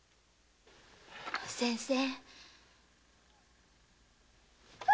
先生！？